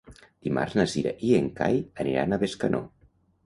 Dimarts na Cira i en Cai aniran a Bescanó.